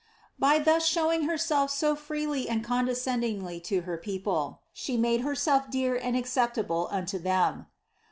By thus showing herself so freely and condescendingly to her people, she made herself dear and acceptable unto them.